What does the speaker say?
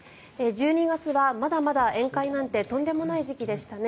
１２月はまだまだ宴会なんてとんでもない時期でしたね